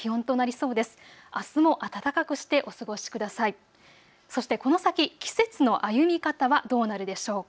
そしてこの先、季節の歩み方はどうなるでしょうか。